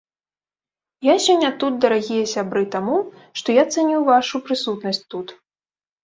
Я сёння тут, дарагія сябры, таму, што я цаню вашу прысутнасць тут.